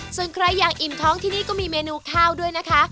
ส่วนใครอยากอิ่มท้องที่นี่ก็มีเมนูข้าวด้วยนะคะ